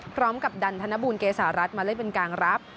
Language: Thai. พร้อมกับดันธนบูลเกษารัฐมาเล่นเป็นกลางรับ